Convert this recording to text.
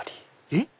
えっ？